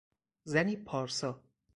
زنی پارسا